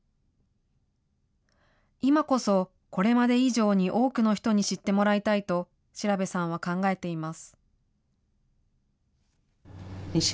今こそこれまで以上に多くの人に知ってもらいたいと調さんは考えています。